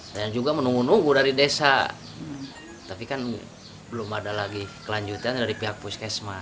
saya juga menunggu nunggu dari desa tapi kan belum ada lagi kelanjutan dari pihak puskesmas